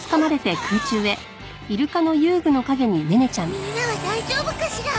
みんなは大丈夫かしら？